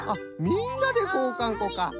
みんなでこうかんこか。